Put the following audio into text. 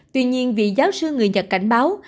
tuy nhiên vị giáo sư người nhật cảnh báo